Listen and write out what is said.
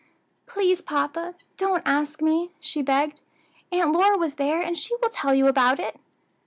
"Please, papa, don't ask me," she begged. "Aunt Lora was there, and she will tell you about it."